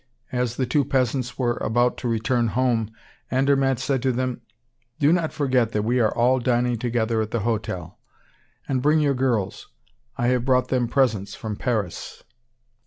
As the two peasants were about to return home, Andermatt said to them: "Do not forget that we are all dining together at the hotel. And bring your girls; I have brought them presents from Paris."